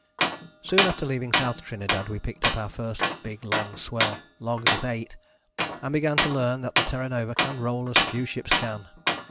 Soon after leaving South Trinidad we picked up our first big long swell, logged at 8, and began to learn that the Terra Nova can roll as few ships can.